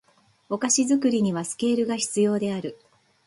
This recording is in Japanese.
お菓子作りにはスケールが必要である